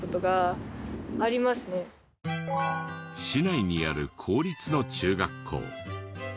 市内にある公立の中学校。